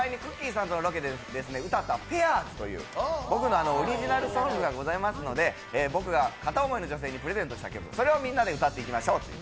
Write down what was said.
さんのロケで歌った「ペアーズ」という僕のオリジナルソングがございますので、僕が片思いの女性にプレゼントした曲それをみんなで歌っていきましょうという。